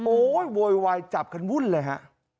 โอ้ยโว้ยจับขนวุ่นเลยฮะ